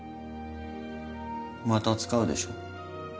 また使うでしょ？